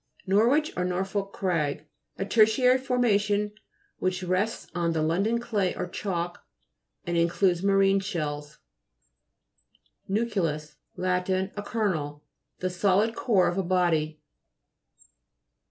NORWICH, or NORFOLK CRAG A tertiary formation which rests on the London clay or chalk, and in cludes marine shells (p. 84). NU'CLEUS Lat. A kernel. The solid core of a body.